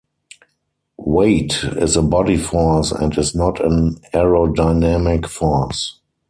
Weight is a body force and is not an aerodynamic force.